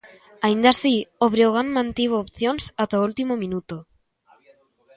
Aínda así, o Breogán mantivo opcións ata o último minuto.